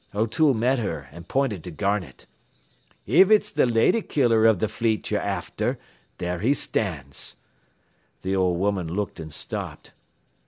O'Toole met her an' pointed to Garnett. "'If it's th' leddy killer av th' fleet ye're afther, there he Stan's.' "Th' old woman looked an' stopped.